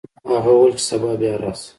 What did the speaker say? هغه وویل چې سبا بیا راشه.